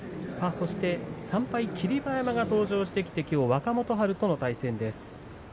そして３敗霧馬山が登場して若元春との対戦です。